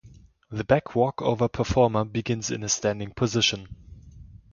The back walkover performer begins in a standing position.